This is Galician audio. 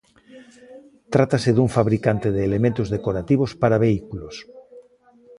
Trátase dun fabricante de elementos decorativos para vehículos.